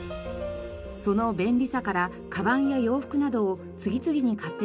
その便利さからかばんや洋服などを次々に買ってしまったＡさん。